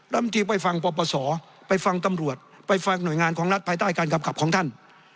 ลำตีไปฟังปปศไปฟังตำรวจไปฟังหน่วยงานของรัฐภายใต้การกำกับของท่าน